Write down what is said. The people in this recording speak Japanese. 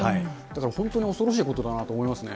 だから本当に恐ろしいことだなと思いますね。